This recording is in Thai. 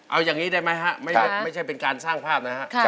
เอาอย่างนี้ได้ไหมฮะไม่ใช่เป็นการสร้างภาพนะฮะ